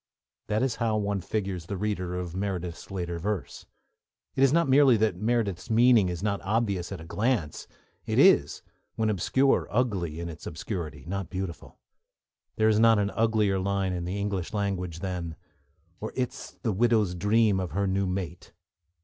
That is how one figures the reader of Meredith's later verse. It is not merely that Meredith's meaning is not obvious at a glance, it is, when obscure, ugly in its obscurity, not beautiful. There is not an uglier line in the English language than: Or is't the widowed's dream of her new mate.